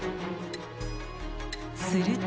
すると。